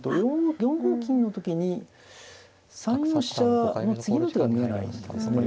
４五金の時に３四飛車の次の手が見えないんですね。